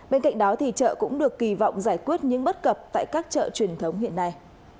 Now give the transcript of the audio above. bên cạnh đó thì chợ cũng được kỳ vọng giải quyết những bất cập tại các chợ truyền thống hiện nay